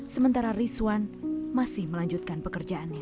sementara rizwan masih melanjutkan pekerjaannya